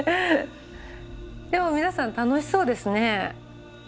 でも皆さん楽しそうですねえとっても。